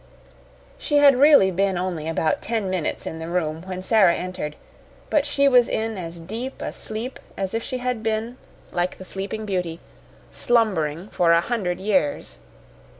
She had really been only about ten minutes in the room when Sara entered, but she was in as deep a sleep as if she had been, like the Sleeping Beauty, slumbering for a hundred years.